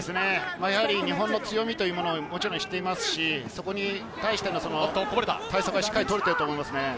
日本の強みというのももちろん知ってますし、そこに対しての対策はしっかりとってると思いますね。